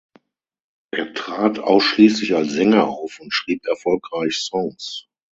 Er trat ausschließlich als Sänger auf und schrieb erfolgreich Songs.